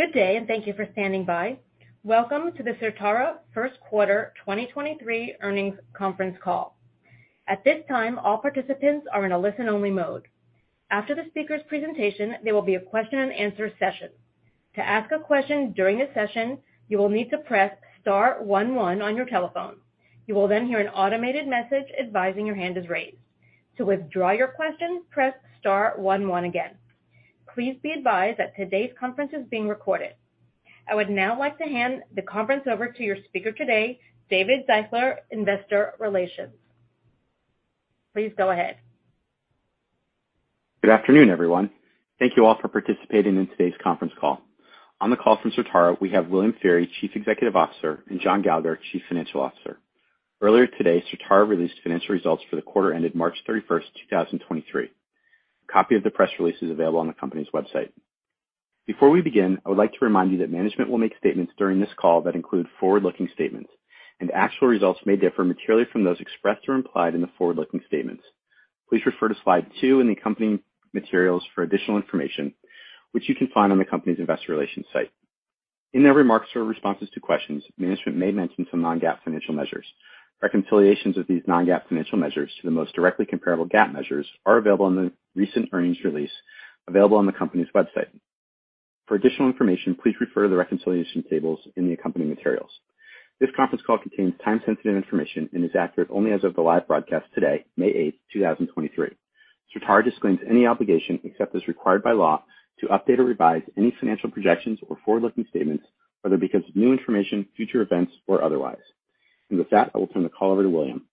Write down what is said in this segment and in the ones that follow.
Good day, and thank you for standing by. Welcome to the Certara First Quarter 2023 Earnings Conference Call. At this time, all participants are in a listen-only mode. After the speaker's presentation, there will be a question and answer session. To ask a question during the session, you will need to press star one one on your telephone. You will then hear an automated message advising your hand is raised. To withdraw your question, press star one one again. Please be advised that today's conference is being recorded. I would now like to hand the conference over to your speaker today, David Deuchler, Investor Relations. Please go ahead. Good afternoon, everyone. Thank you all for participating in today's conference call. On the call from Certara, we have William Feehery, Chief Executive Officer, and John Gallagher, Chief Financial Officer. Earlier today, Certara released financial results for the quarter ended March 31st, 2023. A copy of the press release is available on the company's website. Before we begin, I would like to remind you that management will make statements during this call that include forward-looking statements, and actual results may differ materially from those expressed or implied in the forward-looking statements. Please refer to slide 2 in the accompanying materials for additional information, which you can find on the company's investor relations site. In their remarks or responses to questions, management may mention some Non-GAAP financial measures. Reconciliations of these Non-GAAP financial measures to the most directly comparable GAAP measures are available in the recent earnings release available on the company's website. For additional information, please refer to the reconciliation tables in the accompanying materials. This conference call contains time-sensitive information and is accurate only as of the live broadcast today, May 8th, 2023. Certara disclaims any obligation, except as required by law, to update or revise any financial projections or forward-looking statements, whether because of new information, future events, or otherwise. With that, I will turn the call over to William.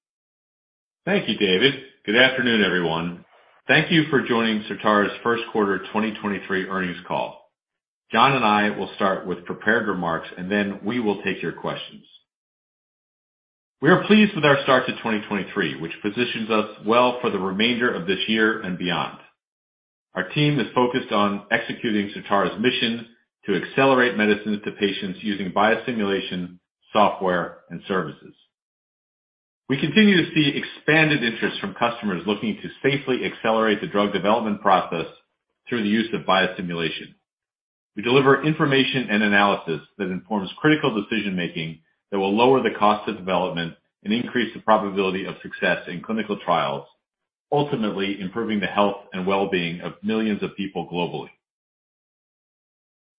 Thank you, David. Good afternoon, everyone. Thank you for joining Certara's first quarter 2023 earnings call. John and I will start with prepared remarks. Then we will take your questions. We are pleased with our start to 2023, which positions us well for the remainder of this year and beyond. Our team is focused on executing Certara's mission to accelerate medicines to patients using biosimulation, software, and services. We continue to see expanded interest from customers looking to safely accelerate the drug development process through the use of biosimulation. We deliver information and analysis that informs critical decision-making that will lower the cost of development and increase the probability of success in clinical trials, ultimately improving the health and well-being of millions of people globally.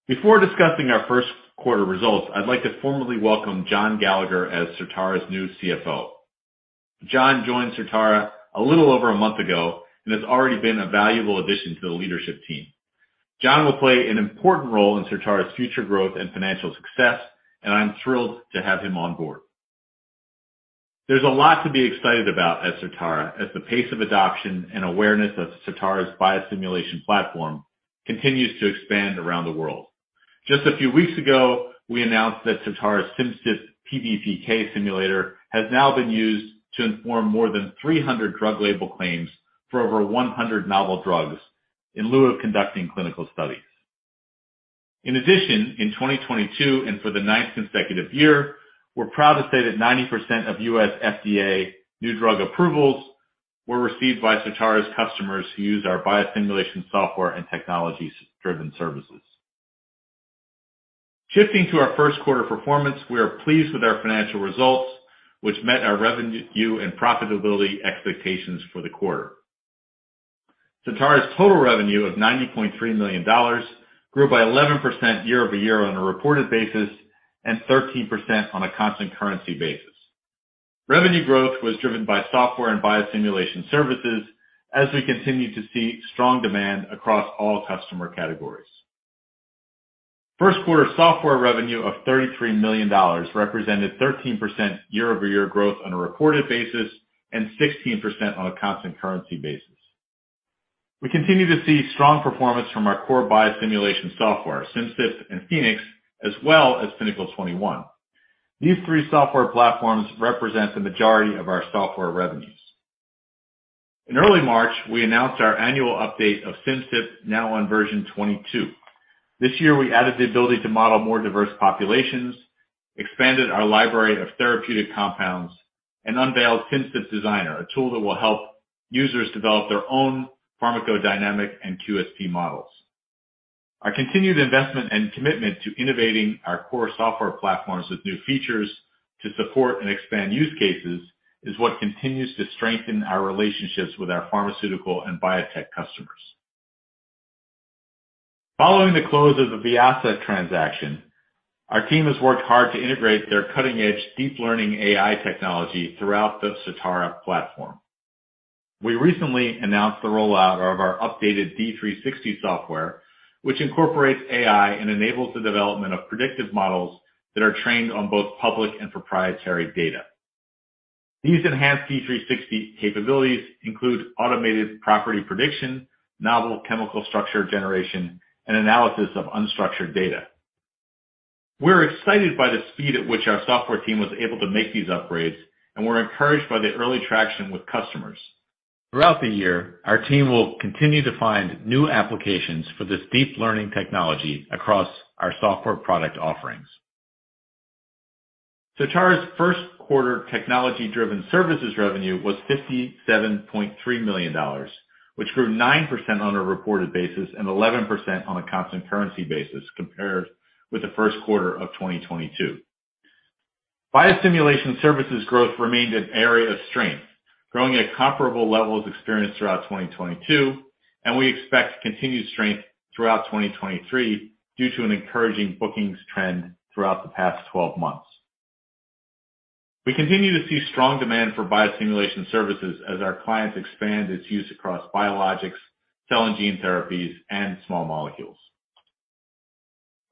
Before discussing our first quarter results, I'd like to formally welcome John Gallagher as Certara's new CFO. John joined Certara a little over one month ago and has already been a valuable addition to the leadership team. John will play an important role in Certara's future growth and financial success. I am thrilled to have him on board. There's a lot to be excited about at Certara as the pace of adoption and awareness of Certara's biosimulation platform continues to expand around the world. Just a few weeks ago, we announced that Certara's Simcyp PBPK simulator has now been used to inform more than 300 drug label claims for over 100 novel drugs in lieu of conducting clinical studies. In addition, in 2022, and for the ninth consecutive year, we're proud to say that 90% of US FDA new drug approvals were received by Certara's customers who use our biosimulation software and technologies driven services. Shifting to our first quarter performance, we are pleased with our financial results, which met our revenue and profitability expectations for the quarter. Certara's total revenue of $90.3 million grew by 11% year-over-year on a reported basis, and 13% on a constant currency basis. Revenue growth was driven by software and biosimulation services as we continue to see strong demand across all customer categories. First quarter software revenue of $33 million represented 13% year-over-year growth on a reported basis, and 16% on a constant currency basis. We continue to see strong performance from our core biosimulation software, Simcyp and Phoenix, as well as Pinnacle 21. These three software platforms represent the majority of our software revenues. In early March, we announced our annual update of Simcyp, now on version 22. This year we added the ability to model more diverse populations, expanded our library of therapeutic compounds, and unveiled Simcyp Designer, a tool that will help users develop their own pharmacodynamic and QSP models. Our continued investment and commitment to innovating our core software platforms with new features to support and expand use cases is what continues to strengthen our relationships with our pharmaceutical and biotech customers. Following the close of the Vyasa transaction, our team has worked hard to integrate their cutting-edge deep learning AI technology throughout the Certara platform. We recently announced the rollout of our updated D360 software, which incorporates AI and enables the development of predictive models that are trained on both public and proprietary data. These enhanced D360 capabilities include automated property prediction, novel chemical structure generation, and analysis of unstructured data. We're excited by the speed at which our software team was able to make these upgrades, and we're encouraged by the early traction with customers. Throughout the year, our team will continue to find new applications for this deep learning technology across our software product offerings. Certara's first quarter technology-driven services revenue was $57.3 million, which grew 9% on a reported basis and 11% on a constant currency basis compared with the first quarter of 2022. Biosimulation services growth remained an area of strength, growing at comparable levels experienced throughout 2022, and we expect continued strength throughout 2023 due to an encouraging bookings trend throughout the past 12 months. We continue to see strong demand for biosimulation services as our clients expand its use across biologics, cell and gene therapies, and small molecules.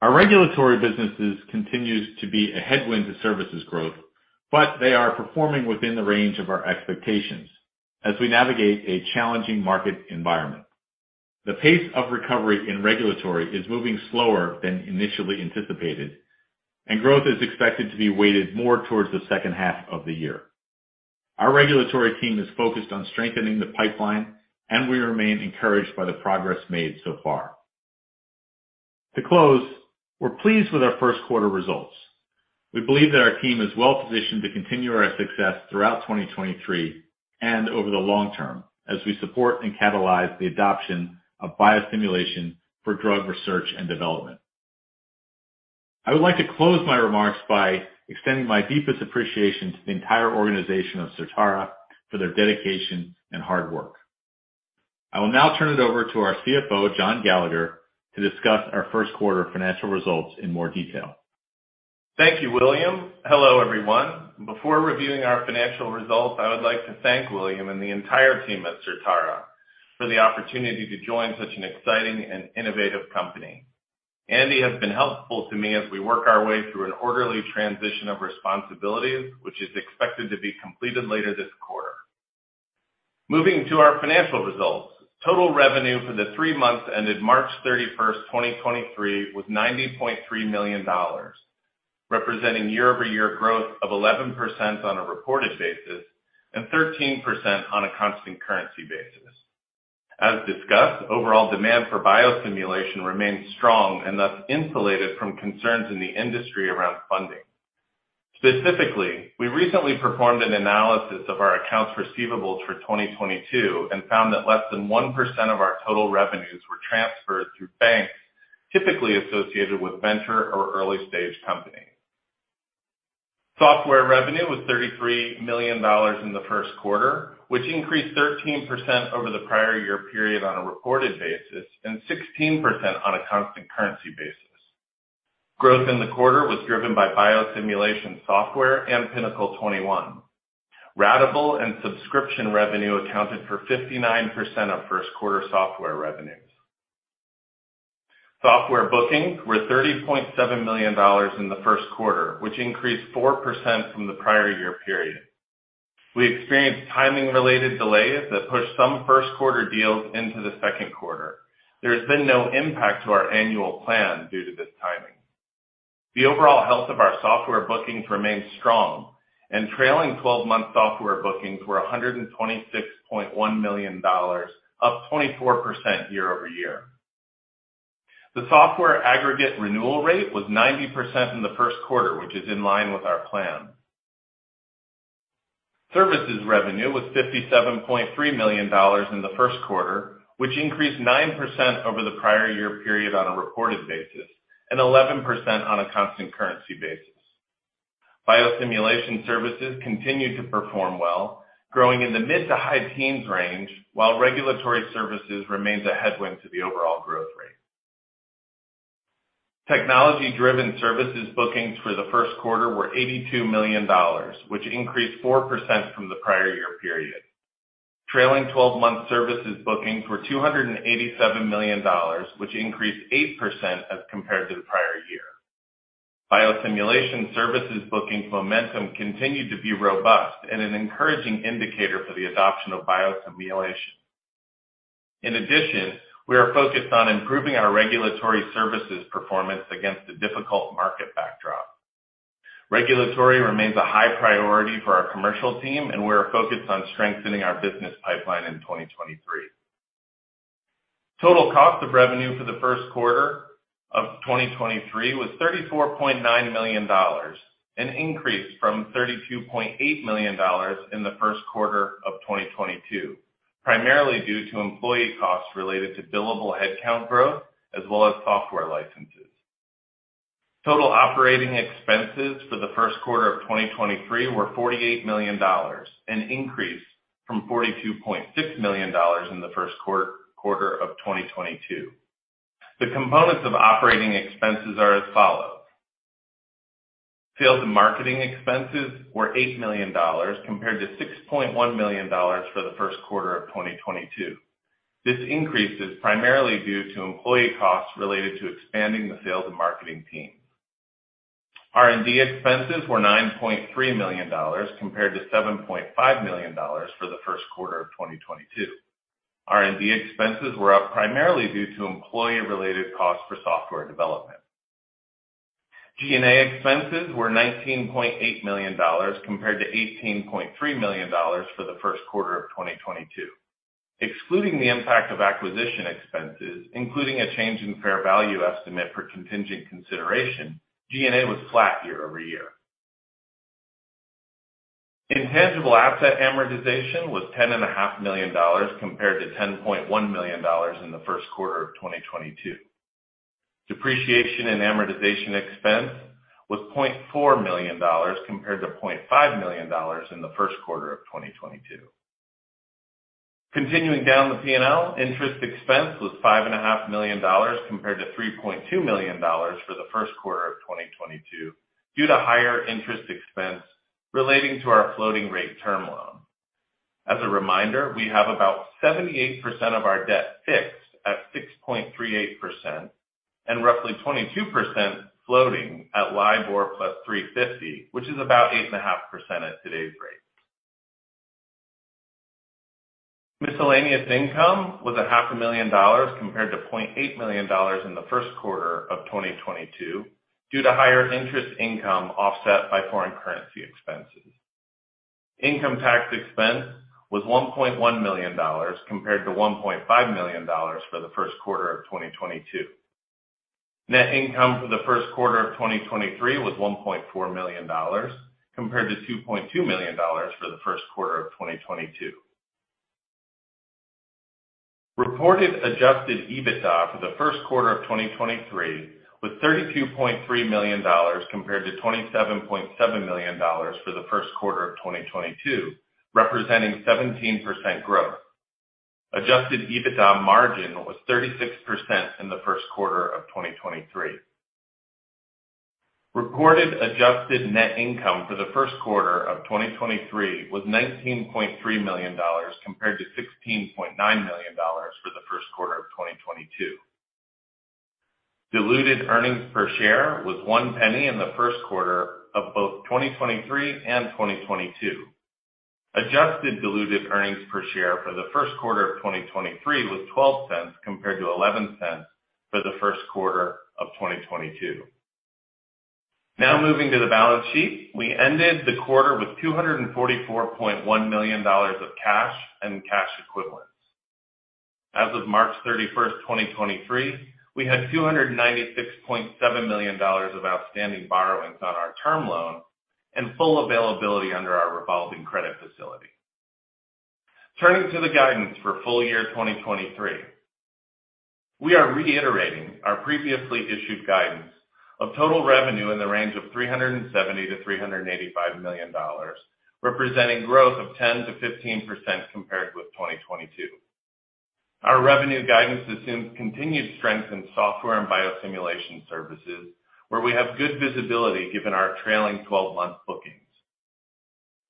Our regulatory businesses continues to be a headwind to services growth, but they are performing within the range of our expectations as we navigate a challenging market environment. The pace of recovery in regulatory is moving slower than initially anticipated, and growth is expected to be weighted more towards the second half of the year. Our regulatory team is focused on strengthening the pipeline, and we remain encouraged by the progress made so far. To close, we're pleased with our first quarter results. We believe that our team is well-positioned to continue our success throughout 2023 and over the long-term as we support and catalyze the adoption of biosimulation for drug research and development. I would like to close my remarks by extending my deepest appreciation to the entire organization of Certara for their dedication and hard work. I will now turn it over to our CFO, John Gallagher, to discuss our first quarter financial results in more detail. Thank you, William. Hello, everyone. Before reviewing our financial results, I would like to thank William and the entire team at Certara for the opportunity to join such an exciting and innovative company. Andy has been helpful to me as we work our way through an orderly transition of responsibilities, which is expected to be completed later this quarter. Moving to our financial results. Total revenue for the three months ended March 31st, 2023 was $90.3 million, representing year-over-year growth of 11% on a reported basis and 13% on a constant currency basis. As discussed, overall demand for biosimulation remains strong and thus insulated from concerns in the industry around funding. Specifically, we recently performed an analysis of our accounts receivables for 2022 and found that less than 1% of our total revenues were transferred through banks typically associated with venture or early-stage companies. Software revenue was $33 million in the first quarter, which increased 13% over the prior year period on a reported basis and 16% on a constant currency basis. Growth in the quarter was driven by biosimulation software and Pinnacle 21. Ratable and subscription revenue accounted for 59% of first quarter software revenues. Software bookings were $30.7 million in the first quarter, which increased 4% from the prior year period. We experienced timing-related delays that pushed some first quarter deals into the second quarter. There has been no impact to our annual plan due to this timing. The overall health of our software bookings remains strong and trailing 12 months software bookings were $126.1 million, up 24% year-over-year. The software aggregate renewal rate was 90% in the first quarter, which is in line with our plan. Services revenue was $57.3 million in the first quarter, which increased 9% over the prior year period on a reported basis and 11% on a constant currency basis. Biosimulation services continued to perform well, growing in the mid-to-high teens range while regulatory services remains a headwind to the overall growth rate. Technology-driven services bookings for the first quarter were $82 million, which increased 4% from the prior year period. Trailing 12 months services bookings were $287 million, which increased 8% as compared to the prior year. Biosimulation services bookings momentum continued to be robust and an encouraging indicator for the adoption of biosimulation. In addition, we are focused on improving our regulatory services performance against a difficult market backdrop. Regulatory remains a high priority for our commercial team. We are focused on strengthening our business pipeline in 2023. Total cost of revenue for the first quarter of 2023 was $34.9 million, an increase from $32.8 million in the first quarter of 2022, primarily due to employee costs related to billable headcount growth as well as software licenses. Total operating expenses for the first quarter of 2023 were $48 million, an increase from $42.6 million in the first quarter of 2022. The components of operating expenses are as follows. Sales and marketing expenses were $8 million compared to $6.1 million for the first quarter of 2022. This increase is primarily due to employee costs related to expanding the sales and marketing team. R&D expenses were $9.3 million compared to $7.5 million for the first quarter of 2022. R&D expenses were up primarily due to employee-related costs for software development. G&A expenses were $19.8 million compared to $18.3 million for the first quarter of 2022. Excluding the impact of acquisition expenses, including a change in fair value estimate for contingent consideration, G&A was flat year-over-year. Intangible asset amortization was $10.5 million compared to $10.1 million in the first quarter of 2022. Depreciation and amortization expense was $0.4 million compared to $0.5 million in the first quarter of 2022. Continuing down the P&L, interest expense was five and a half million dollars compared to $3.2 million for the first quarter of 2022 due to higher interest expense relating to our floating rate term loan. As a reminder, we have about 78% of our debt fixed at 6.38% and roughly 22% floating at LIBOR plus 350, which is about 8.5% at today's rate. Miscellaneous income was a half a million dollars compared to $0.8 million in the first quarter of 2022 due to higher interest income offset by foreign currency expenses. Income tax expense was $1.1 million compared to $1.5 million for the first quarter of 2022. Net income for the first quarter of 2023 was $1.4 million, compared to $2.2 million for the first quarter of 2022. Reported adjusted EBITDA for the first quarter of 2023 was $32.3 million compared to $27.7 million for the first quarter of 2022, representing 17% growth. Adjusted EBITDA margin was 36% in the first quarter of 2023. Reported adjusted net income for the first quarter of 2023 was $19.3 million compared to $16.9 million for the first quarter of 2022. Diluted earnings per share was $0.01 in the first quarter of both 2023 and 2022. Adjusted diluted earnings per share for the first quarter of 2023 was $0.12 compared to $0.11 for the first quarter of 2022. Moving to the balance sheet. We ended the quarter with $244.1 million of cash and cash equivalents. As of March 31, 2023, we had $296.7 million of outstanding borrowings on our term loan and full availability under our revolving credit facility. Turning to the guidance for full year 2023. We are reiterating our previously issued guidance of total revenue in the range of $370 million-$385 million, representing growth of 10%-15% compared with 2022. Our revenue guidance assumes continued strength in software and biosimulation services, where we have good visibility given our trailing 12 months bookings.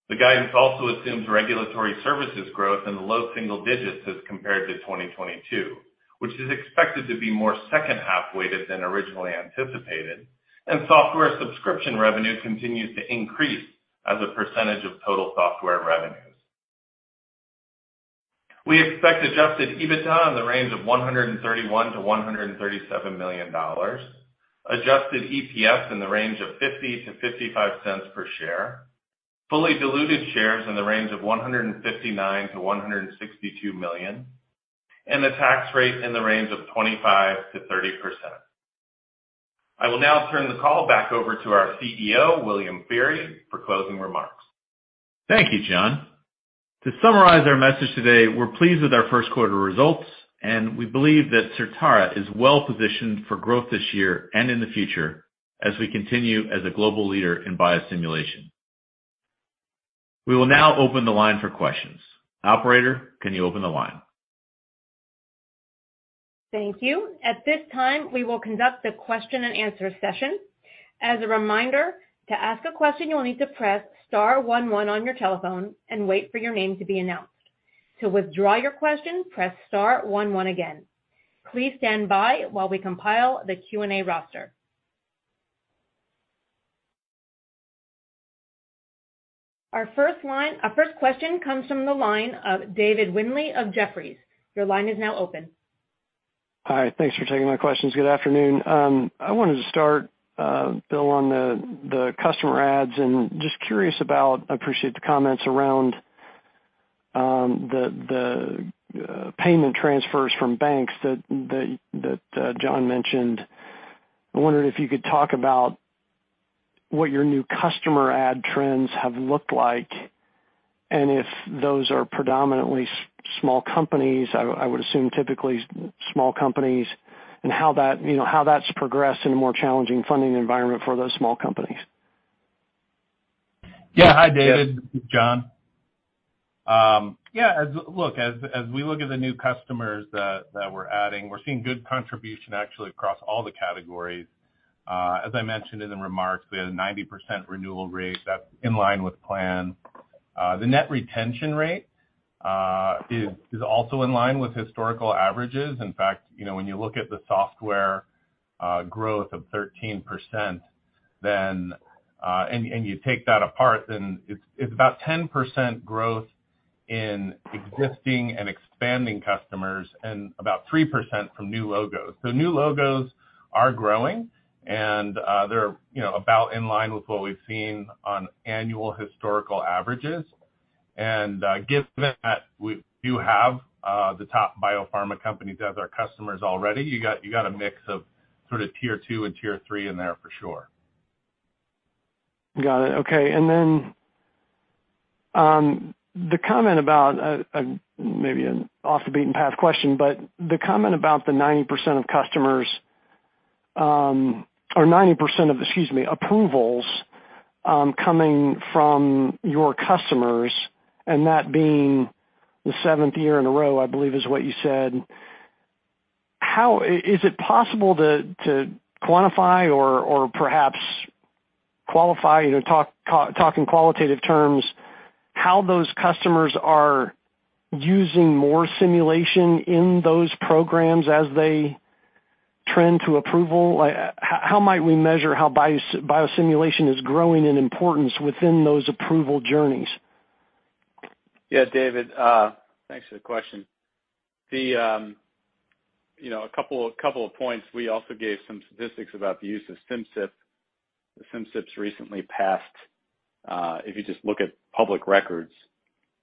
The guidance also assumes regulatory services growth in the low single digits as compared to 2022, which is expected to be more second half-weighted than originally anticipated, and software subscription revenue continues to increase as a percentage of total software revenues. We expect adjusted EBITDA in the range of $131 million-$137 million, adjusted EPS in the range of $0.50-$0.55 per share, fully diluted shares in the range of 159 million-162 million, and a tax rate in the range of 25%-30%. I will now turn the call back over to our CEO, William Feehery, for closing remarks. Thank you, John. To summarize our message today, we're pleased with our first quarter results, and we believe that Certara is well positioned for growth this year and in the future as we continue as a global leader in biosimulation. We will now open the line for questions. Operator, can you open the line? Thank you. At this time, we will conduct the question and answer session. As a reminder, to ask a question, you will need to press star one one on your telephone and wait for your name to be announced. To withdraw your question, press star one one again. Please stand by while we compile the Q&A roster. Our first question comes from the line of David Windley of Jefferies. Your line is now open. Hi. Thanks for taking my questions. Good afternoon. I wanted to start, Bill, on the customer adds and just curious about, appreciate the comments around the payment transfers from banks that John mentioned. I wondered if you could talk about what your new customer add trends have looked like and if those are predominantly small companies. I would assume typically small companies and how that, you know, how that's progressed in a more challenging funding environment for those small companies. Hi, David, this is John. As we look at the new customers that we're adding, we're seeing good contribution actually across all the categories. As I mentioned in the remarks, we had a 90% renewal rate. That's in line with plan. The net retention rate is also in line with historical averages. In fact, you know, when you look at the software growth of 13% then, and you take that apart, then it's about 10% growth in existing and expanding customers and about 3% from new logos. New logos are growing and, they're, you know, about in line with what we've seen on annual historical averages. Given that we do have the top biopharma companies as our customers already, you got a mix of sort of tier two and tier three in there for sure. Got it. Okay. Then, the comment about, maybe an off the beaten path question, but the comment about the 90% of customers, or 90% of, excuse me, approvals, coming from your customers and that being the 7th year in a row, I believe, is what you said. Is it possible to quantify or perhaps qualify, you know, talk in qualitative terms, how those customers are using more simulation in those programs as they trend to approval? Like how might we measure how biosimulation is growing in importance within those approval journeys? Yeah, David, thanks for the question. You know, a couple of points. We also gave some statistics about the use of Simcyp. The Simcyp's recently passed, if you just look at public records,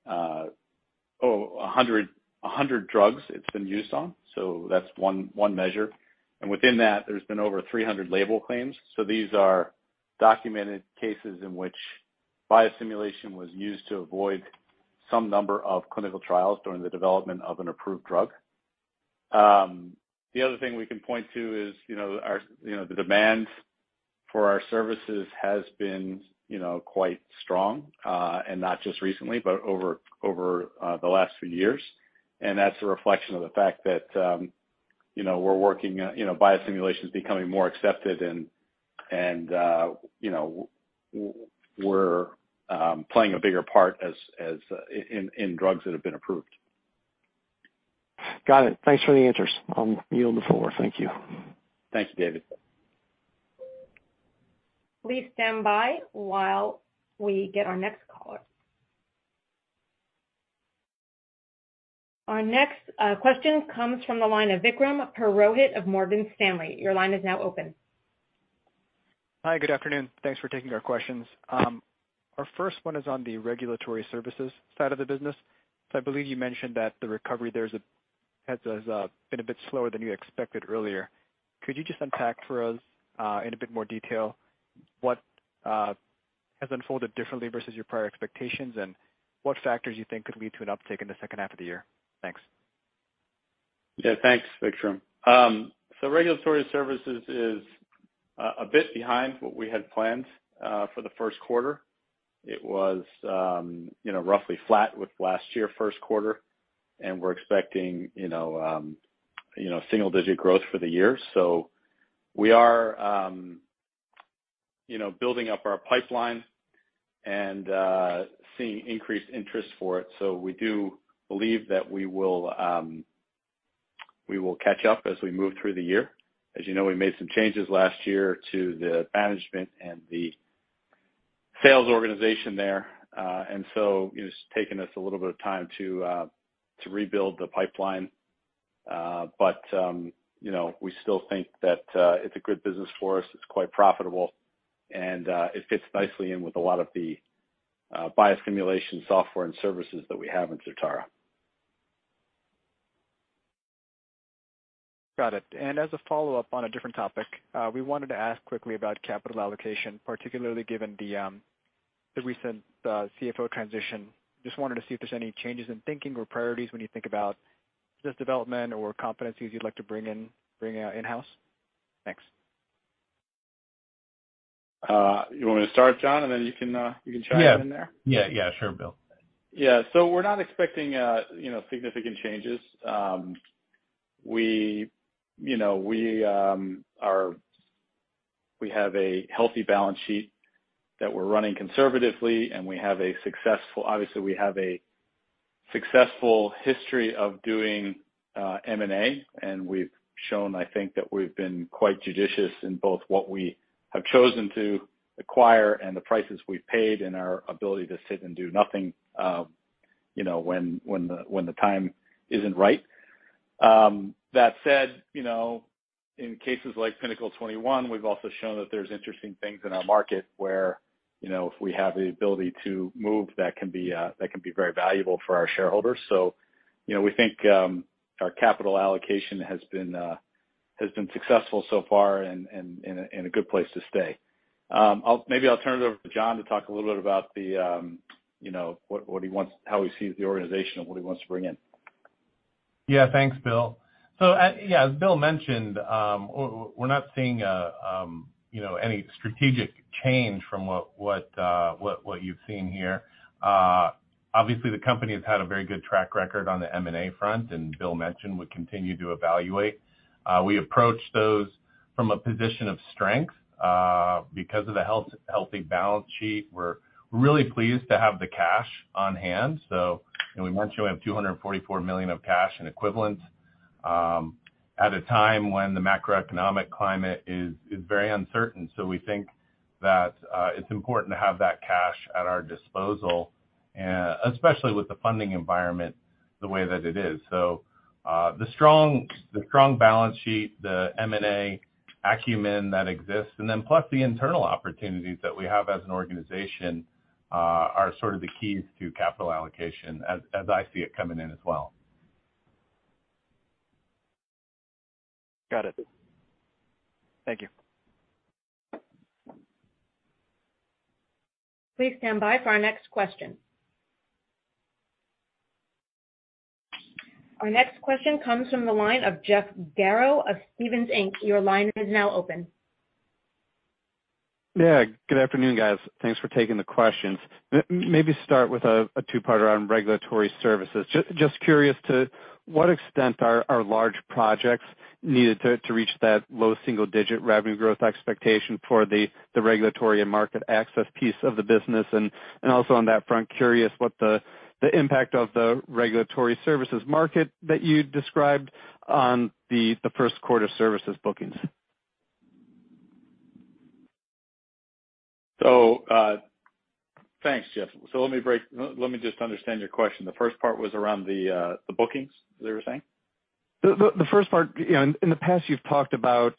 100 drugs it's been used on. That's one measure. Within that, there's been over 300 label claims. These are documented cases in which biosimulation was used to avoid some number of clinical trials during the development of an approved drug. The other thing we can point to is, you know, our, you know, the demand for our services has been, you know, quite strong, and not just recently, but over the last few years. That's a reflection of the fact that, you know, we're working, you know, biosimulation is becoming more accepted and, you know, we're playing a bigger part as in drugs that have been approved. Got it. Thanks for the answers. I'll yield the floor. Thank you. Thanks, David. Please stand by while we get our next caller. Our next question comes from the line of Vikram Purohit of Morgan Stanley. Your line is now open. Hi, good afternoon. Thanks for taking our questions. Our first one is on the regulatory services side of the business. I believe you mentioned that the recovery there has been a bit slower than you expected earlier. Could you just unpack for us in a bit more detail what has unfolded differently versus your prior expectations and what factors you think could lead to an uptick in the second half of the year? Thanks. Yeah, thanks, Vikram. Regulatory services is a bit behind what we had planned for the 1st quarter. It was, you know, roughly flat with last year, 1st quarter, and we're expecting, you know, single-digit growth for the year. We are, you know, building up our pipeline and seeing increased interest for it. We do believe that we will, we will catch up as we move through the year. As you know, we made some changes last year to the management and the sales organization there. It's taken us a little bit of time to rebuild the pipeline. We still think that it's a good business for us. It's quite profitable, and, it fits nicely in with a lot of the biosimulation software and services that we have in Certara. Got it. As a follow-up on a different topic, we wanted to ask quickly about capital allocation, particularly given the recent CFO transition. Just wanted to see if there's any changes in thinking or priorities when you think about business development or competencies you'd like to bring in, bring in-house. Thanks. You want me to start, John, and then you can, you can chime in there? Yeah. Yeah, yeah, sure, Bill. We're not expecting, you know, significant changes. We, you know, we have a healthy balance sheet that we're running conservatively, and we have a successful history of doing M&A, and we've shown, I think, that we've been quite judicious in both what we have chosen to acquire and the prices we've paid and our ability to sit and do nothing, you know, when the time isn't right. That said, you know, in cases like Pinnacle 21, we've also shown that there's interesting things in our market where, you know, if we have the ability to move that can be very valuable for our shareholders. You know, we think, our capital allocation has been, has been successful so far and, in a good place to stay. Maybe I'll turn it over to John to talk a little bit about the, you know, what he wants, how he sees the organization and what he wants to bring in. Thanks, Bill. As Bill mentioned, we're not seeing, you know, any strategic change from what you've seen here. Obviously the company has had a very good track record on the M&A front, Bill mentioned we continue to evaluate. We approach those from a position of strength, because of the healthy balance sheet. We're really pleased to have the cash on hand. We mentioned we have $244 million of cash in equivalent, at a time when the macroeconomic climate is very uncertain. We think that, it's important to have that cash at our disposal, especially with the funding environment the way that it is. The strong balance sheet, the M&A-acumen that exists and then plus the internal opportunities that we have as an organization, are sort of the keys to capital allocation as I see it coming in as well. Got it. Thank you. Please stand by for our next question. Our next question comes from the line of Jeff Garro of Stephens Inc. Your line is now open. Yeah. Good afternoon, guys. Thanks for taking the questions. Maybe start with a 2-parter on regulatory services. Just curious to what extent are large projects needed to reach that low single-digit revenue growth expectation for the regulatory and market access piece of the business. And also on that front, curious what the impact of the regulatory services market that you described on the first quarter services bookings. Thanks, Jeff. Let me just understand your question. The first part was around the bookings, is that what you're saying? The first part, you know, in the past you've talked about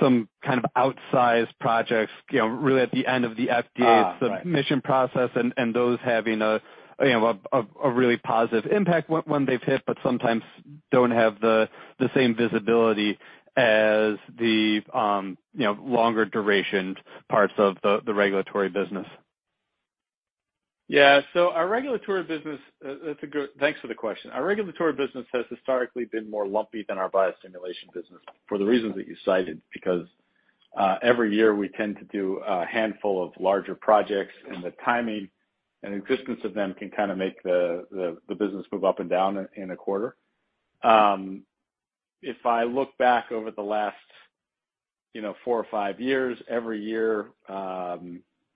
some kind of outsized projects, you know, really at the end of the FDA. Right. submission process and those having a, you know, a really positive impact when they've hit, but sometimes don't have the same visibility as the, you know, longer duration parts of the regulatory business. Yeah. Our regulatory business. Thanks for the question. Our regulatory business has historically been more lumpy than our biosimulation business for the reasons that you cited, because every year, we tend to do a handful of larger projects, and the timing and existence of them can kind of make the business move up and down in a quarter. If I look back over the last, you know, four or five years, every year,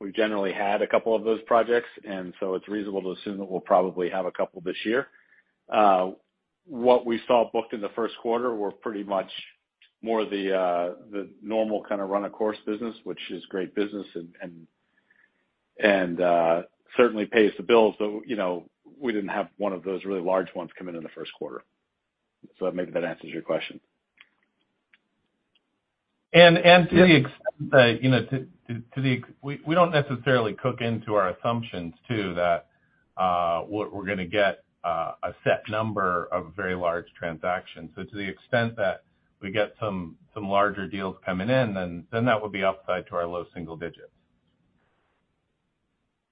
we generally had a couple of those projects, it's reasonable to assume that we'll probably have a couple this year. What we saw booked in the first quarter were pretty much more the normal kind of run-of-course business, which is great business and, certainly pays the bills. You know, we didn't have one of those really large ones come in in the first quarter. Maybe that answers your question. We don't necessarily cook into our assumptions too that what we're gonna get a set number of very large transactions. To the extent that we get some larger deals coming in, then that would be upside to our low single digits.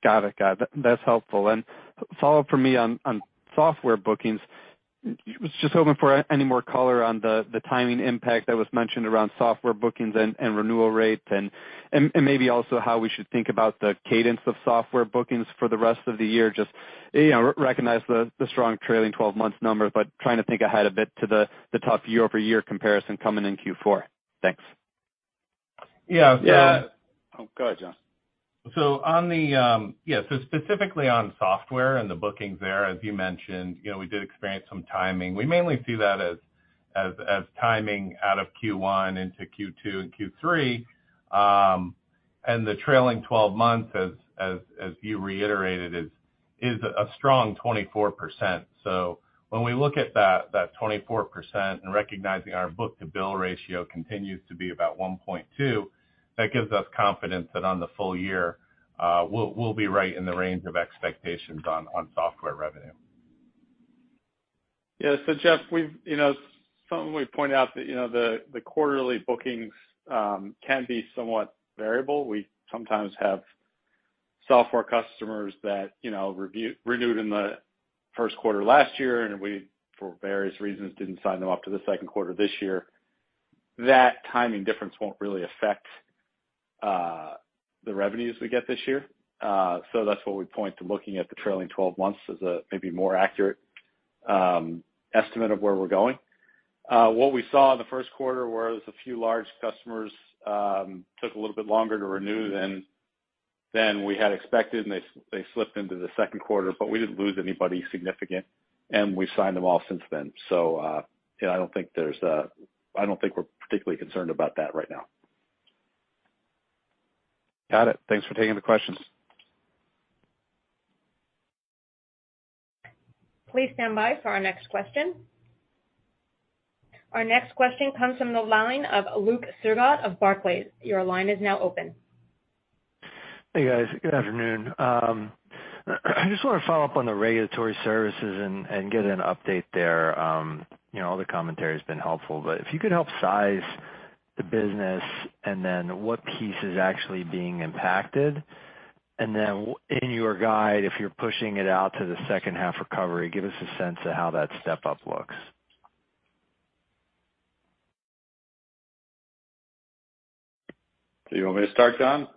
Got it. Got it. That's helpful. Follow up for me on software bookings. Was just hoping for any more color on the timing impact that was mentioned around software bookings and renewal rates and maybe also how we should think about the cadence of software bookings for the rest of the year. Just, you know, recognize the strong trailsing-12-months numbers, but trying to think ahead a bit to the tough year-over-year comparison coming in Q4. Thanks. Yeah. Yeah. Oh, go ahead, John. Specifically on software and the bookings there, as you mentioned, you know, we did experience some timing. We mainly see that as timing out of Q1 into Q2 and Q3. The trailing 12 months as you reiterated is a strong 24%. When we look at that 24% and recognizing our book-to-bill ratio continues to be about 1.2, that gives us confidence that on the full year, we'll be right in the range of expectations on software revenue. Yeah. Jeff, we've, you know, something we've pointed out that, you know, the quarterly bookings can be somewhat variable. We sometimes have software customers that, you know, renewed in the first quarter last year, and we, for various reasons, didn't sign them up to the second quarter this year. That timing difference won't really affect the revenues we get this year. That's what we point to looking at the trailing 12 months as a maybe more accurate estimate of where we're going. What we saw in the first quarter was a few large customers took a little bit longer to renew than we had expected, and they slipped into the second quarter, but we didn't lose anybody significant, and we've signed them all since then. You know, I don't think we're particularly concerned about that right now. Got it. Thanks for taking the questions. Please stand by for our next question. Our next question comes from the line of Luke Sergott of Barclays. Your line is now open. Hey, guys. Good afternoon. I just want to follow up on the regulatory services and get an update there. You know, all the commentary has been helpful, but if you could help size the business and then in your guide, if you're pushing it out to the second half recovery, give us a sense of how that step-up looks? Do you want me to start, John?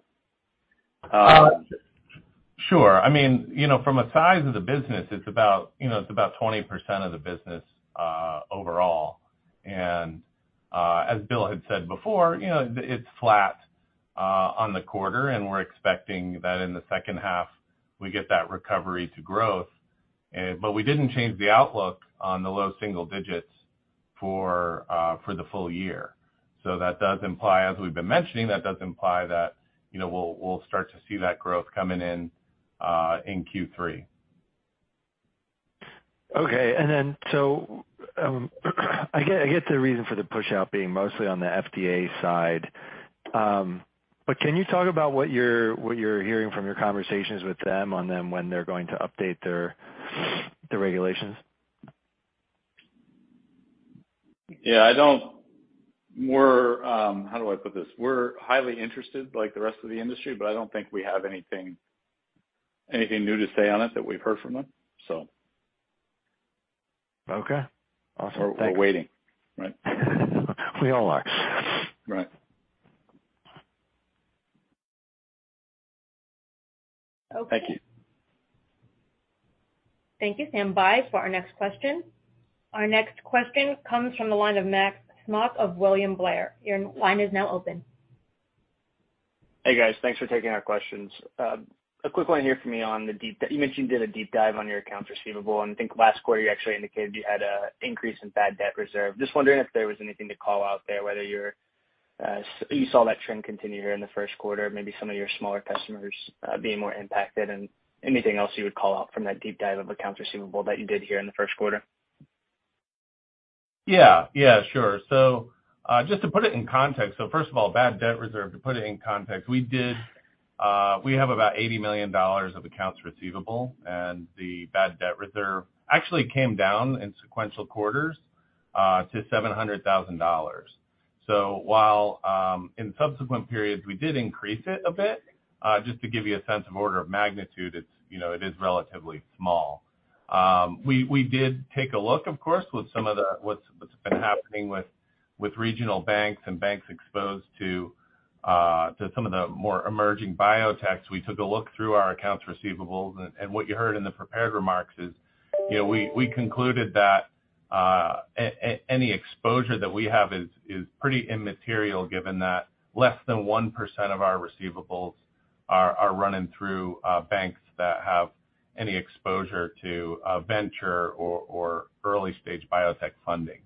Sure. I mean, you know, from a size of the business, it's about, you know, it's about 20% of the business overall. As Bill had said before, you know, it's flat on the quarter, and we're expecting that in the second half, we get that recovery to growth. We didn't change the outlook on the low single digits for the full year. That does imply, as we've been mentioning, that does imply that, you know, we'll start to see that growth coming in in Q3. Okay. I get the reason for the pushout being mostly on the FDA side. Can you talk about what you're hearing from your conversations with them on then when they're going to update their regulations? Yeah, I don't. We're how do I put this? We're highly interested like the rest of the industry, but I don't think we have anything new to say on it that we've heard from them, so. Okay. Awesome. Thank you. We're waiting, right? We all are. Right. Okay. Thank you. Stand by for our next question. Our next question comes from the line of Max Smock of William Blair. Your line is now open. Hey, guys. Thanks for taking our questions. A quick one here for me. You mentioned you did a deep dive on your accounts receivable. I think last quarter you actually indicated you had an increase in bad debt reserve. Just wondering if there was anything to call out there, whether you're, you saw that trend continue here in the first quarter, maybe some of your smaller customers, being more impacted, and anything else you would call out from that deep dive of accounts receivable that you did here in the first quarter? Yeah. Yeah, sure. Just to put it in context, first of all, bad debt reserve, to put it in context, we have about $80 million of accounts receivable, and the bad debt reserve actually came down in sequential quarters, to $700,000. While in subsequent periods, we did increase it a bit, just to give you a sense of order of magnitude, it's, you know, it is relatively small. We did take a look, of course, with some of the, what's been happening with regional banks and banks exposed to some of the more emerging biotechs. We took a look through our accounts receivables, and what you heard in the prepared remarks is, you know, we concluded that any exposure that we have is pretty immaterial given that less than 1% of our receivables are running through banks that have any exposure to venture or early-stage biotech funding.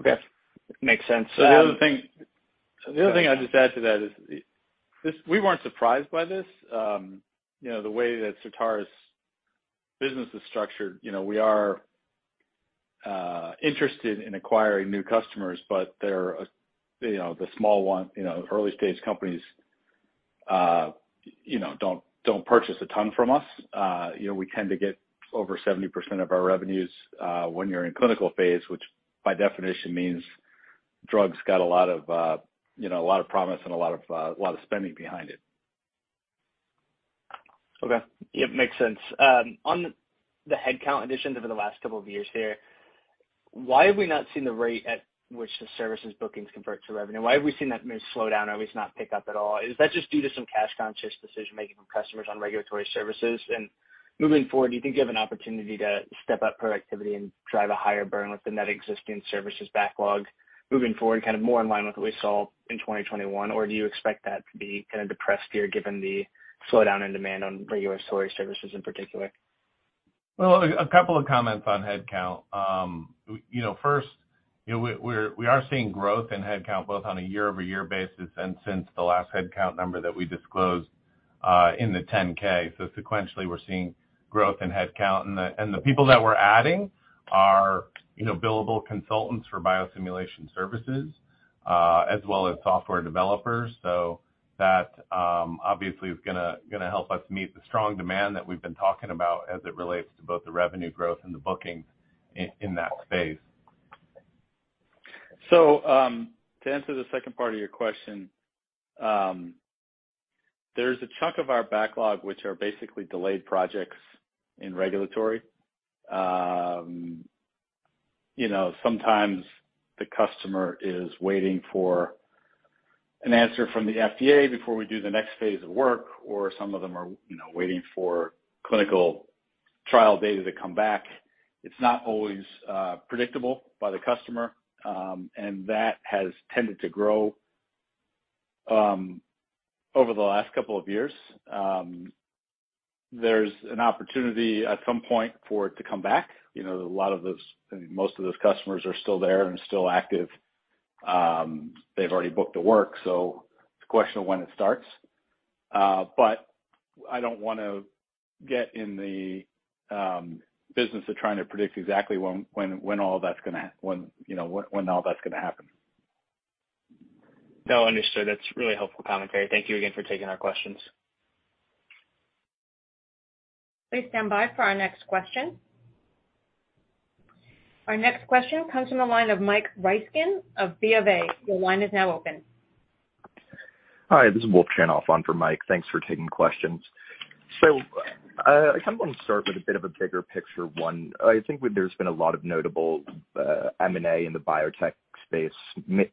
Okay. Makes sense. The other thing I'd just add to that is this, we weren't surprised by this. You know, the way that Certara's business is structured, you know, we are interested in acquiring new customers, but they're, you know, the small one, you know, early-stage companies, you know, don't purchase a ton from us. You know, we tend to get over 70% of our revenues, when you're in clinical phase, which by definition means drug's got a lot of, you know, a lot of promise and a lot of, a lot of spending behind it. Okay. Yeah, makes sense. On the headcount additions over the last two years there, why have we not seen the rate at which the services bookings convert to revenue? Why have we seen that slow down or at least not pick up at all? Is that just due to some cash-conscious decision-making from customers on regulatory services? Moving forward, do you think you have an opportunity to step up productivity and drive a higher burn with the net existing services backlog moving forward, kind of more in line with what we saw in 2021? Or do you expect that to be kind of depressed here given the slowdown in demand on regulatory services in particular? A couple of comments on headcount. You know, first, you know, we are seeing growth in headcount both on a year-over-year basis and since the last headcount number that we disclosed in the 10-K. Sequentially, we're seeing growth in headcount. The people that we're adding are, you know, billable consultants for biosimulation services, as well as software developers. That, obviously is gonna help us meet the strong demand that we've been talking about as it relates to both the revenue growth and the booking in that space. To answer the second part of your question, there's a chunk of our backlog, which are basically delayed projects in regulatory. You know, sometimes the customer is waiting for an answer from the FDA before we do the next phase of work, or some of them are, you know, waiting for clinical trial data to come back. It's not always predictable by the customer, and that has tended to grow over the last couple of years. There's an opportunity at some point for it to come back. You know, a lot of those, most of those customers are still there and still active. They've already booked the work, so it's a question of when it starts. I don't wanna get in the business of trying to predict exactly when all that's gonna, you know, when all that's gonna happen. No, understood. That's really helpful commentary. Thank you again for taking our questions. Please stand by for our next question. Our next question comes from the line of Mike Ryskin of B of A. Your line is now open. Hi, this is Wolf Chanoff on for Mike. Thanks for taking the questions. I kind of want to start with a bit of a bigger picture one. I think there's been a lot of notable M&A in the biotech space,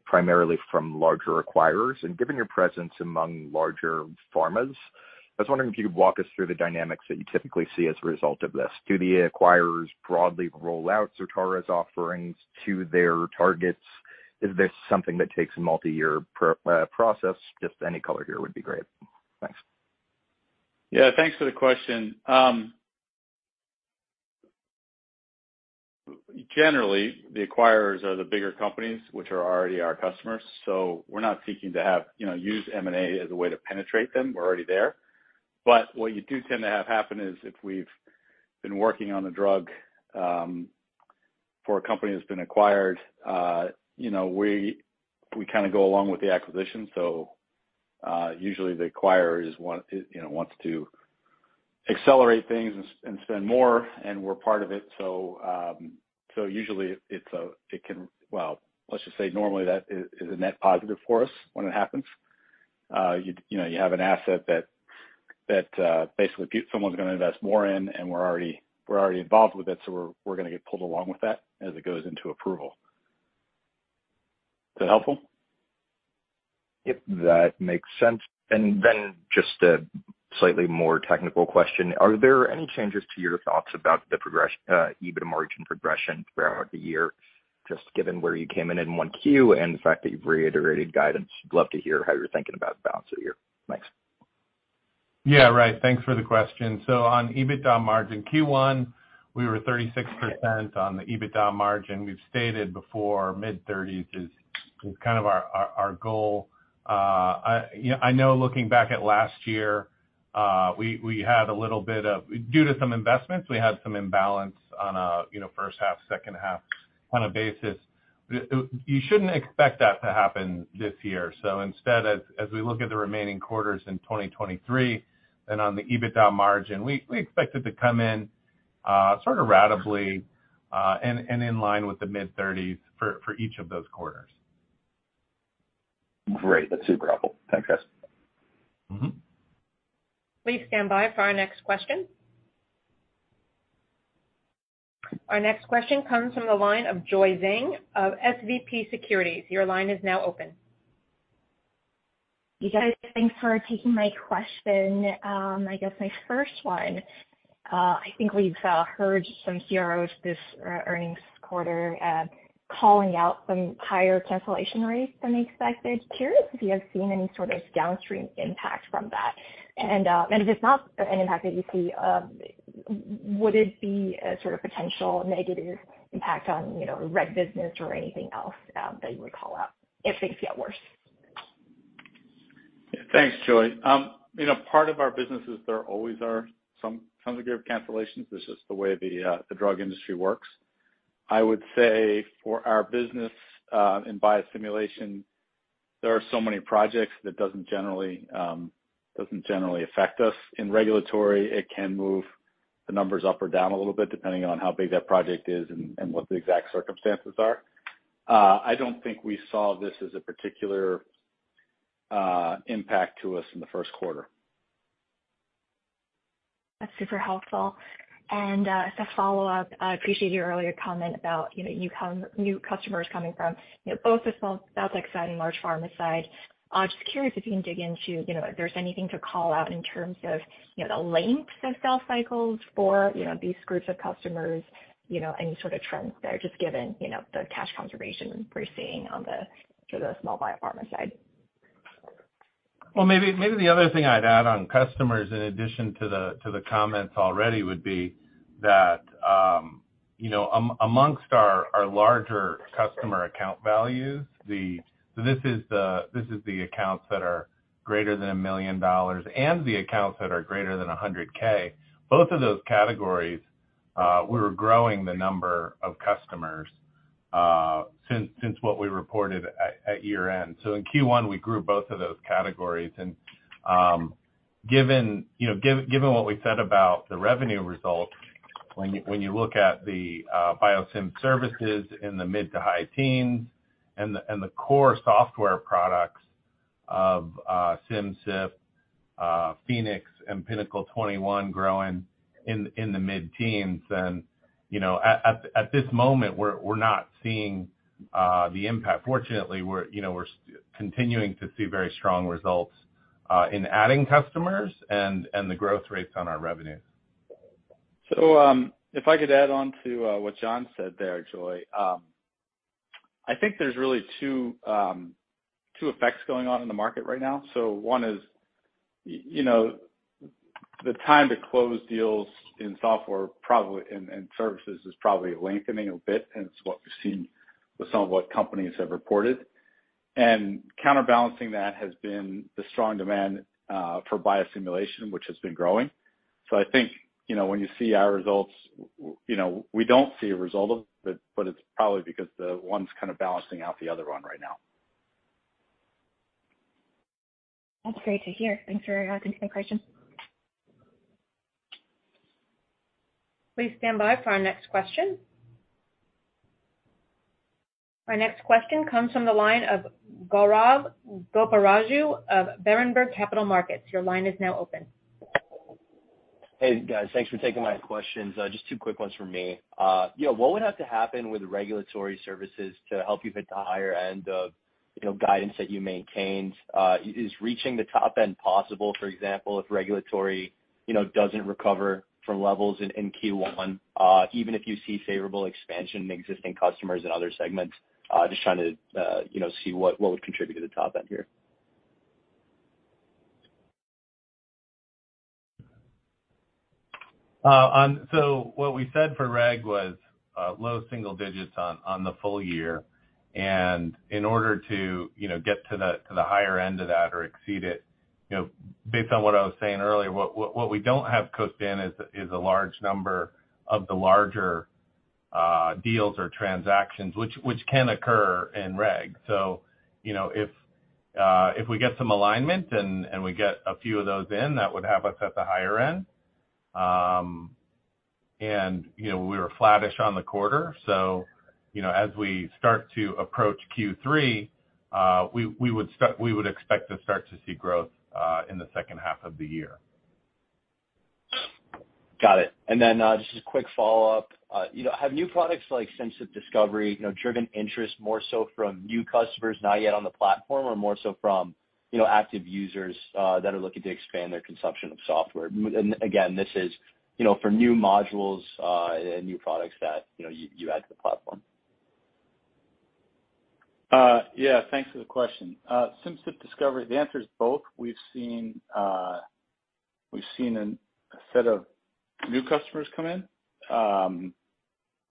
primarily from larger acquirers. Given your presence among larger pharmas, I was wondering if you could walk us through the dynamics that you typically see as a result of this. Do the acquirers broadly roll out Certara's offerings to their targets? Is this something that takes a multi-year process? Just any color here would be great. Thanks. Yeah. Thanks for the question. Generally, the acquirers are the bigger companies, which are already our customers. We're not seeking to have, you know, use M&A as a way to penetrate them. We're already there. What you do tend to have happen is if we've been working on a drug, for a company that's been acquired, you know, we kinda go along with the acquisition. Usually the acquirers want, you know, wants to accelerate things and spend more, and we're part of it. Well, let's just say normally that is a net positive for us when it happens. You know, you have an asset that, basically someone's gonna invest more in and we're already involved with it. We're gonna get pulled along with that as it goes into approval. Is that helpful? Yep, that makes sense. Then just a slightly more technical question. Are there any changes to your thoughts about the EBITDA margin progression throughout the year, just given where you came in in 1Q and the fact that you've reiterated guidance? I'd love to hear how you're thinking about the balance of the year. Thanks. Right. Thanks for the question. On EBITDA margin, Q1, we were 36% on the EBITDA margin. We've stated before mid-30s is kind of our goal. I, you know, I know looking back at last year, Due to some investments, we had some imbalance on a, you know, first half, second half basis. You shouldn't expect that to happen this year. Instead, as we look at the remaining quarters in 2023 and on the EBITDA margin, we expect it to come in sort of ratably and in line with the mid-30s for each of those quarters. Great. That's super helpful. Thanks, guys. Mm-hmm. Please stand by for our next question. Our next question comes from the line of Joy Zhang of SVB Securities. Your line is now open. You guys, thanks for taking my question. I guess my first one, I think we've heard some CROs this earnings quarter calling out some higher cancellation rates than they expected. Curious if you have seen any sort of downstream impact from that. If it's not an impact that you see, would it be a sort of potential negative impact on, you know, reg business or anything else, that you would call out if things get worse? Thanks, Joy. you know, part of our business is there always are some degree of cancellations. It's just the way the drug industry works. I would say for our business in biosimulation, there are so many projects that doesn't generally affect us. In regulatory, it can move the numbers up or down a little bit, depending on how big that project is and what the exact circumstances are. I don't think we saw this as a particular impact to us in the first quarter. That's super helpful. As a follow-up, I appreciate your earlier comment about, you know, new customers coming from, you know, both the small biotech side and large pharma side. Just curious if you can dig into, you know, if there's anything to call out in terms of, you know, the lengths of sales cycles for, you know, these groups of customers, you know, any sort of trends there, just given, you know, the cash conservation we're seeing on the, sort of small biopharma side? Maybe, maybe the other thing I'd add on customers in addition to the comments already would be that, you know, amongst our larger customer account values, so this is the accounts that are greater than $1 million and the accounts that are greater than $100K. Both of those categories, we were growing the number of customers since what we reported at year-end. In Q1, we grew both of those categories. Given, you know, what we said about the revenue results, when you, when you look at the biosim services in the mid-to-high teens% and the core software products of Simcyp, Phoenix and Pinnacle 21 growing in the mid-teens%, you know, at this moment, we're not seeing the impact. Fortunately, we're, you know, we're continuing to see very strong results in adding customers and the growth rates on our revenue. If I could add on to what John said there, Joy. I think there's really two effects going on in the market right now. One is, you know, the time to close deals in software probably and services is probably lengthening a bit, and it's what we've seen with some of what companies have reported. Counterbalancing that has been the strong demand for biosimulation, which has been growing. I think, you know, when you see our results, you know, we don't see a result of it, but it's probably because the one's kind of balancing out the other one right now. That's great to hear. Thanks for adding to my question. Please stand by for our next question. Our next question comes from the line of Gaurav Goparaju of Berenberg Capital Markets. Your line is now open. Hey, guys. Thanks for taking my questions. Just two quick ones from me. You know, what would have to happen with regulatory services to help you hit the higher end of, you know, guidance that you maintained? Is reaching the top end possible, for example, if regulatory, you know, doesn't recover from levels in Q1, even if you see favorable expansion in existing customers and other segments? Just trying to, you know, see what would contribute to the top end here. What we said for REG was low single digits on the full year. In order to, you know, get to the higher end of that or exceed it, you know, based on what I was saying earlier, what we don't have coast in is a large number of the larger deals or transactions which can occur in REG. You know, if we get some alignment and we get a few of those in, that would have us at the higher end. You know, we were flattish on the quarter. You know, as we start to approach Q3, we would expect to start to see growth in the second half of the year. Got it. Then, just a quick follow-up. You know, have new products like Simcyp Discovery, you know, driven interest more so from new customers not yet on the platform, or more so from, you know, active users that are looking to expand their consumption of software? Again, this is, you know, for new modules and new products that, you know, you add to the platform. Yeah. Thanks for the question. Simcyp Discovery, the answer is both. We've seen a set of new customers come in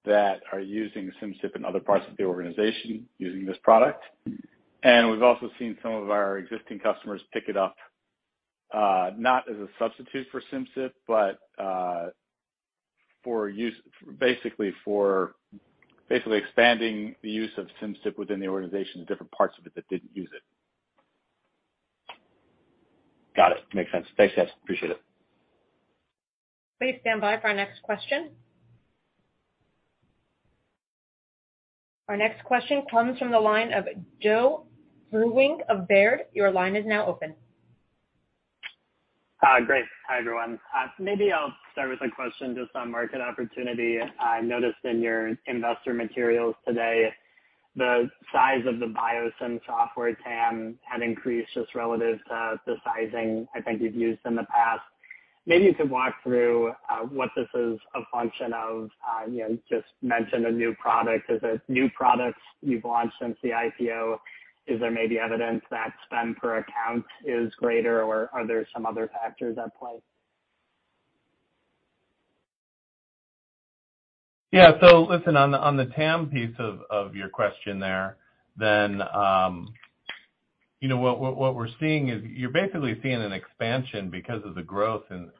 that are using Simcyp in other parts of the organization using this product. We've also seen some of our existing customers pick it up, not as a substitute for Simcyp, but for use for basically expanding the use of Simcyp within the organization to different parts of it that didn't use it. Got it. Makes sense. Thanks, guys. Appreciate it. Please stand by for our next question. Our next question comes from the line of Joe Vruwink of Baird. Your line is now open. Great. Hi, everyone. Maybe I'll start with a question just on market opportunity. I noticed in your investor materials today the size of the biosim software TAM had increased just relative to the sizing I think you've used in the past. Maybe you could walk through, what this is a function of. You know, just mentioned a new product. Is it new products you've launched since the IPO? Is there maybe evidence that spend per account is greater, or are there some other factors at play? Yeah. Listen, on the TAM piece of your question there, then, you know, what we're seeing is you're basically seeing an expansion because of the growth and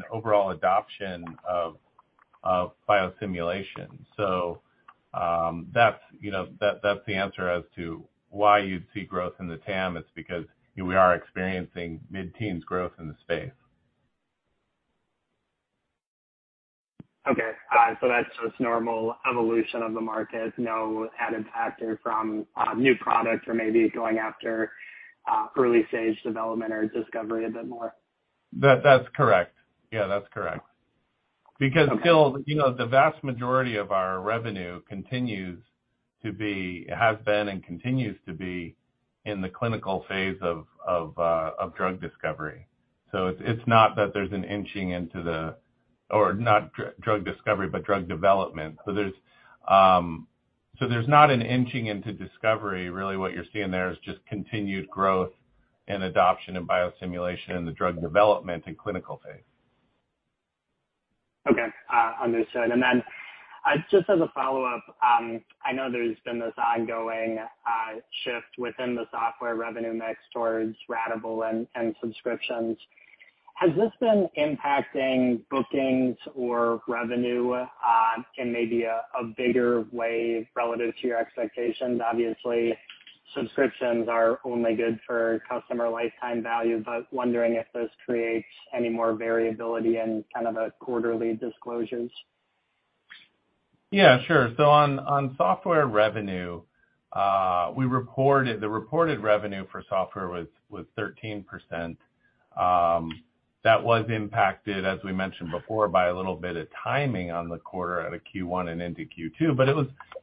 the overall adoption of biosimulation. You know, that's the answer as to why you'd see growth in the TAM. It's because, you know, we are experiencing mid-teens growth in the space. Okay. That's just normal evolution of the market, no added factor from new products or maybe going after early-stage development or discovery a bit more. That's correct. Yeah, that's correct. Okay. Still, you know, the vast majority of our revenue continues to be has been and continues to be in the clinical phase of drug discovery. It's, it's not that there's an inching into the or not drug discovery, but drug development. There's, so there's not an inching into discovery. Really what you're seeing there is just continued growth and adoption in biosimulation in the drug development and clinical phase. Okay. Understood. Just as a follow-up, I know there's been this ongoing shift within the software revenue mix towards ratable and subscriptions. Has this been impacting bookings or revenue in maybe a bigger way relative to your expectations? Obviously, subscriptions are only good for customer lifetime value, but wondering if this creates any more variability in kind of the quarterly disclosures. Yeah, sure. On software revenue, the reported revenue for software was 13%. That was impacted, as we mentioned before, by a little bit of timing on the quarter out of Q1 and into Q2.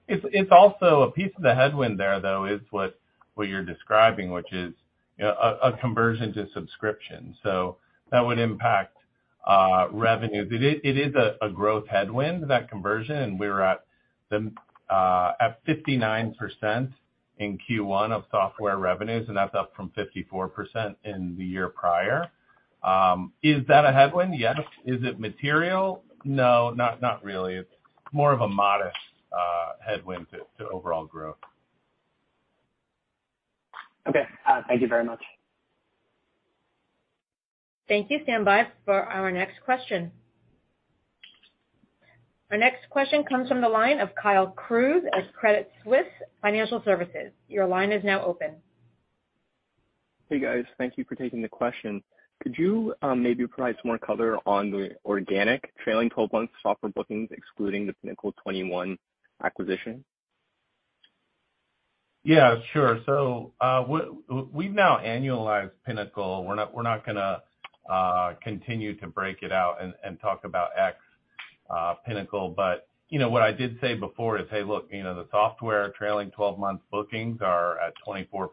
It's also a piece of the headwind there, though, is what you're describing, which is, you know, a conversion to subscription. That would impact revenue. It is a growth headwind, that conversion, and we're at the at 59% in Q1 of software revenues, and that's up from 54% in the year prior. Is that a headwind? Yes. Is it material? No, not really. It's more of a modest headwind to overall growth. Okay. Thank you very much. Thank you. Stand by for our next question. Our next question comes from the line of Kyle Cruz at Creditwest Financial Services. Your line is now open. Hey, guys. Thank you for taking the question. Could you maybe provide some more color on the organic trailing 12 months software bookings, excluding the Pinnacle 21 acquisition? Yeah, sure. We've now annualized Pinnacle. We're not gonna continue to break it out and talk about ex, Pinnacle. You know, what I did say before is, hey, look, you know, the software trailing 12 months bookings are at 24%.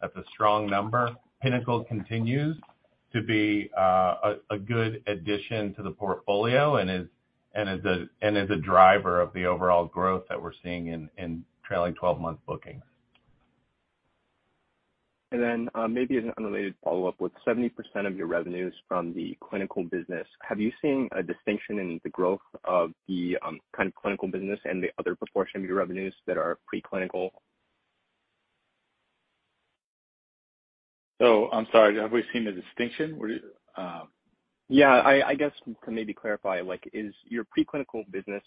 That's a strong number. Pinnacle continues to be a good addition to the portfolio and is a driver of the overall growth that we're seeing in trailing 12 months bookings. Maybe as an unrelated follow-up, with 70% of your revenues from the clinical business, have you seen a distinction in the growth of the kind of clinical business and the other proportion of your revenues that are preclinical? I'm sorry, have we seen the distinction? What is- Yeah, I guess to maybe clarify, like, is your preclinical business,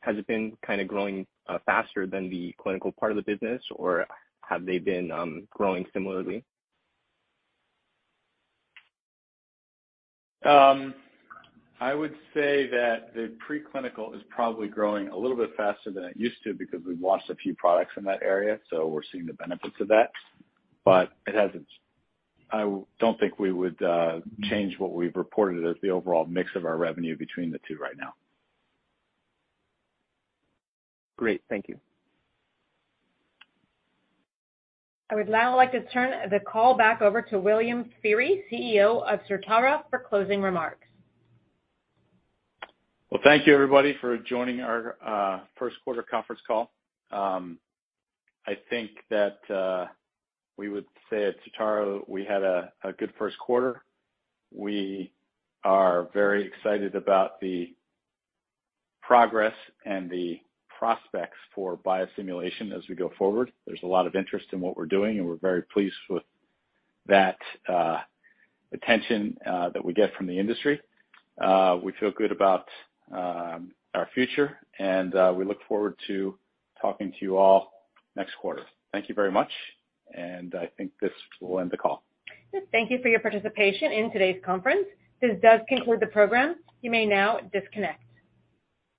has it been kind of growing faster than the clinical part of the business, or have they been growing similarly? I would say that the preclinical is probably growing a little bit faster than it used to because we've launched a few products in that area, so we're seeing the benefits of that. I don't think we would change what we've reported as the overall mix of our revenue between the two right now. Great. Thank you. I would now like to turn the call back over to William Feehery, CEO of Certara, for closing remarks. Well, thank you, everybody, for joining our first quarter conference call. I think that we would say at Certara we had a good first quarter. We are very excited about the progress and the prospects for biosimulation as we go forward. There's a lot of interest in what we're doing, and we're very pleased with that attention that we get from the industry. We feel good about our future, and we look forward to talking to you all next quarter. Thank you very much. I think this will end the call. Yes. Thank you for your participation in today's conference. This does conclude the program. You may now disconnect.